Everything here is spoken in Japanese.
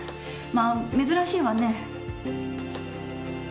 まあ、珍しいわね。